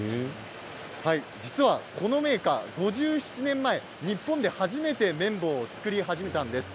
実は、このメーカー５７年前日本で初めて綿棒を作り始めたんです。